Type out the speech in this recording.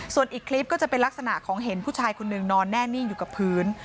ส่วนอีกคลิปก็จะเป็นลักษณะของเห็นผู้ชายคนหนึ่งนอนแน่นิ่งอยู่กับพื้น